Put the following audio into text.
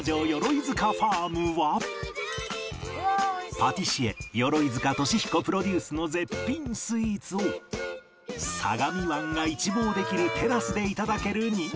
パティシエ鎧塚俊彦プロデュースの絶品スイーツを相模湾が一望できるテラスで頂ける人気店